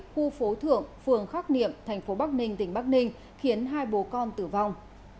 khu phố thượng phường khắc niệm tp bắc ninh tỉnh bắc ninh khiến hai bố con tử vong